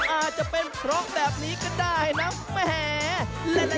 อาจจะเป็นเพราะแบบนี้ก็ได้นะแหม